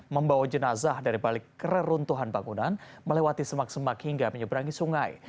membawa jenazah dari balik kereruntuhan bangunan melewati semak semak hingga menyeberangi sungai